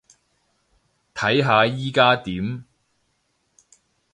睇下依加點